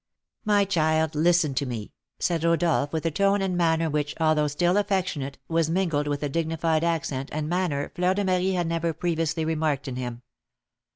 "My child, listen to me," said Rodolph, with a tone and manner which, although still affectionate, was mingled with a dignified accent and manner Fleur de Marie had never previously remarked in him.